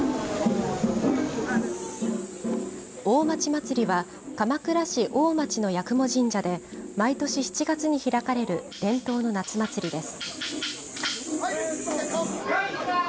大町まつりは、鎌倉市大町の八雲神社で毎年７月に開かれる伝統の夏祭りです。